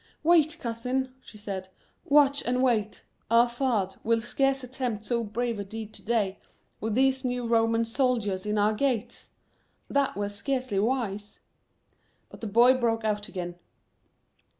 "Wait, cousin," she said; "watch and wait. Our fahdh will scarce attempt so brave a deed to day, with these new Roman soldiers in our gates. That were scarcely wise." But the boy broke out again.